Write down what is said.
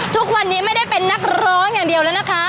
ทุกวันนี้ไม่ได้เป็นนักร้องอย่างเดียวแล้วนะคะ